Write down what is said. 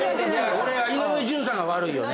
これは井上順さんが悪いよね。